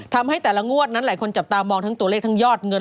ทำให้แต่ละงวดนั้นหลายคนจับตามองทั้งตัวเลขทั้งยอดเงิน